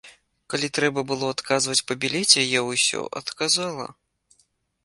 Калі трэба было адказваць па білеце, я ўсё адказала.